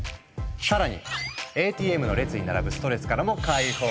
更にＡＴＭの列に並ぶストレスからも解放！